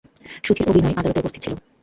সুধীর ও বিনয় আদালতে উপস্থিত ছিল।